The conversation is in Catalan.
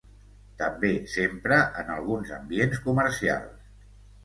També s'empra en alguns ambients comercials.